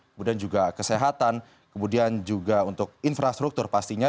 kemudian juga kesehatan kemudian juga untuk infrastruktur pastinya